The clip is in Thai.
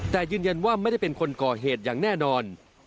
แต่ยืนยันว่าไม่ได้เป็นคนก่อเหตุอย่างแน่นอน